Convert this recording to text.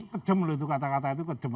kejem loh itu kata kata itu kejem